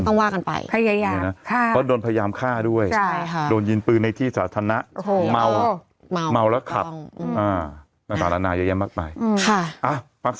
ก็ต้องว่ากันไปค่ะคดีอายา